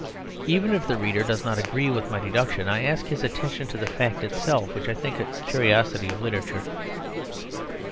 Even if the reader does not agree with my deduction, I ask his attention to the fact itself, which I think a curiosity of literature.